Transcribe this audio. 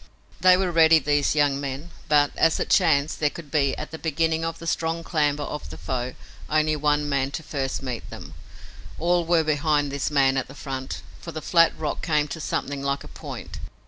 They were ready, these young men, but, as it chanced, there could be, at the beginning of the strong clamber of the foe, only one man to first meet them. All were behind this man at the front, for the flat rock came to something like a point.